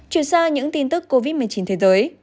chuyển sang những tin tức covid một mươi chín thế giới